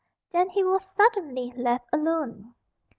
Then he was suddenly left alone.